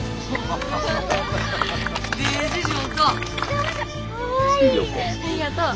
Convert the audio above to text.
ありがとう。